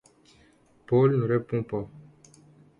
Paul ne répond pas.